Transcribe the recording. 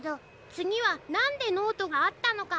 つぎは「なんでノートがあったのか？」